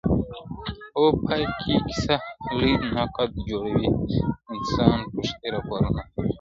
o پای کي کيسه لوی نقد جوړوي انساني پوښتني راپورته کوي,